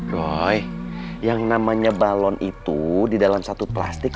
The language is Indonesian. roy yang namanya balon itu di dalam satu plastik